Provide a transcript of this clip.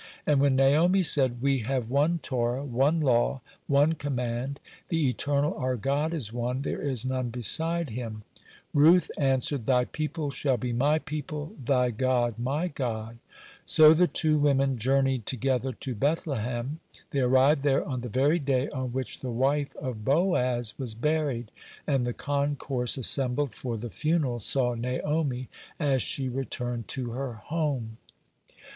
(46) And when Naomi said: "We have one Torah, one law, one command; the Eternal our God is one, there is none beside Him," Ruth answered: "Thy people shall be my people, thy God my God." (47) So the two women journeyed together to Bethlehem. They arrived there on the very day on which the wife of Boaz was buried, and the concourse assembled for the funeral saw Naomi as she returned to her home.